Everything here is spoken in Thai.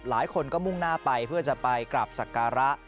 หลายคนก็มุ่งหน้าไปเพื่อจะไปกราบสักการะ